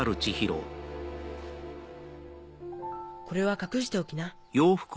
これは隠しておきな。